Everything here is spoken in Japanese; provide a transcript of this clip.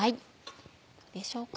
どうでしょうか？